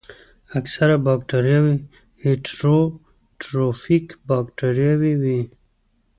اکثره باکتریاوې هیټروټروفیک باکتریاوې دي.